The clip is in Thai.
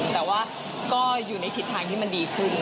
แต่ว่าก็อยู่ในทิศทางที่มันดีขึ้น